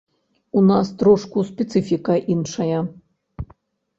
У нас трошку спецыфіка іншая.